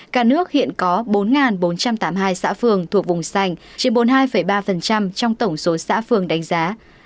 cả nước hiện có bốn bốn trăm tám mươi hai xã phường thuộc vùng sành chiếm bốn mươi hai ba trong tổng số xã phường đánh giá